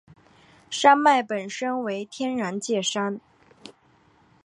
山脉本身为天然界山。